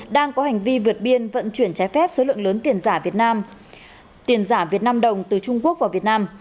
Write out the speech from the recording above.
đang có hành vi vượt biên vận chuyển trái phép số lượng lớn tiền giả việt nam đồng từ trung quốc vào việt nam